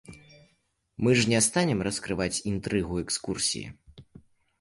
Мы ж не станем раскрываць інтрыгу экскурсіі.